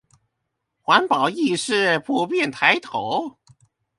環保意識普遍抬頭